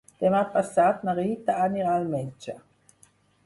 Demà passat na Rita anirà al metge.